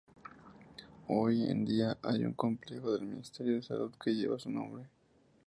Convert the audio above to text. Hoy en día hay un Complejo del Ministerio de Salud que lleva su nombre.